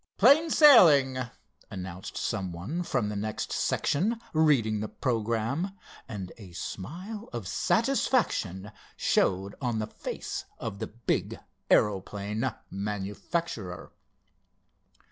"Plain sailing," announced some one from the next section, reading the programme, and a smile of satisfaction showed on the face of the big aeroplane manufacturer.